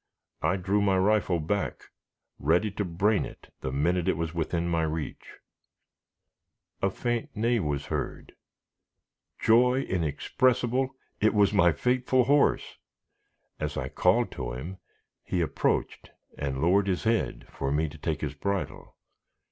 I drew my rifle back, ready to brain it the minute it was within my reach. A faint neigh was heard joy inexpressible! it was my faithful horse. As I called to him, he approached, and lowered his head for me to take his bridle.